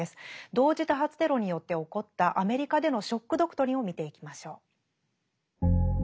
同時多発テロによって起こったアメリカでの「ショック・ドクトリン」を見ていきましょう。